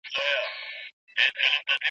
تر پایه به ټول کسان خبر سوي وي.